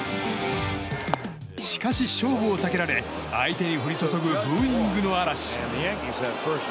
しかし勝負を避けられ相手に降り注ぐブーイングの嵐。